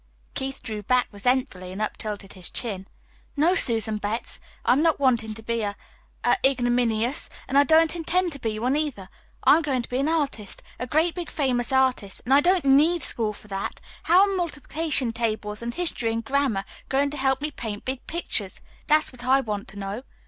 Keith drew back resentfully, and uptilted his chin. "No, Susan Betts, I'm not wanting to be a a ignominious, and I don't intend to be one, either. I'm going to be an artist a great big famous artist, and I don't NEED school for that. How are multiplication tables and history and grammar going to help me paint big pictures? That's what I want to know.